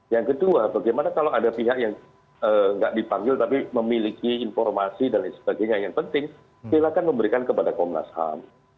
yang kedua bagaimana kalau ada pihak yang tidak dipanggil tapi memiliki informasi dan lain sebagainya yang penting silakan memberikan kepada komnas ham